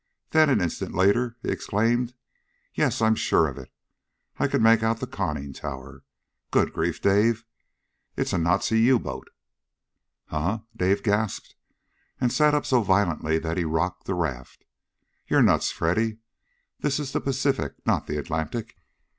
Then, an instant later, he exclaimed, "Yes, I'm sure of it! I can make out the conning tower. Good grief! Dave! It's a Nazi U boat!" "Huh?" Dave gasped, and sat up so violently that he rocked the raft. "You're nuts, Freddy. This is the Pacific, not the Atlantic!"